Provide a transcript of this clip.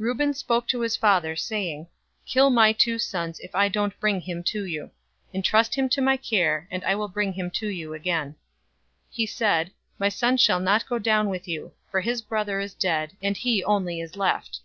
042:037 Reuben spoke to his father, saying, "Kill my two sons, if I don't bring him to you. Entrust him to my care, and I will bring him to you again." 042:038 He said, "My son shall not go down with you; for his brother is dead, and he only is left.